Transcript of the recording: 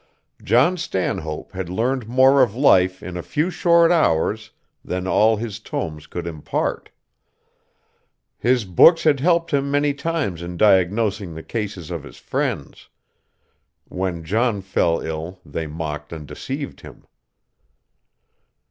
John Stanhope had learned more of life in a few short hours than all his tomes could impart. His books had helped him many times in diagnosing the cases of his friends; when John fell ill they mocked and deceived him.